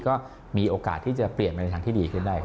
ก็มีโอกาสที่จะเปลี่ยนไปในทางที่ดีขึ้นได้